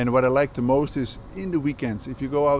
và điều tôi thích nhất là khi tôi đi ra ngoài